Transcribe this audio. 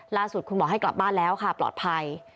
ล่าสุดคุณหมอให้กลับบ้านแล้วค่ะปลอดภัย